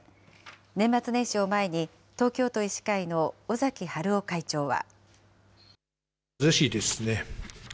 年末年始を前に、東京都医師会の尾崎治夫会長は。